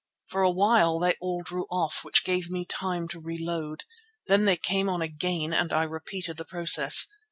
For a while they all drew off, which gave me time to reload. Then they came on again and I repeated the process.